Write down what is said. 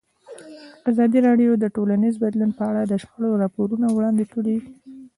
ازادي راډیو د ټولنیز بدلون په اړه د شخړو راپورونه وړاندې کړي.